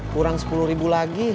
kurang sepuluh ribu lagi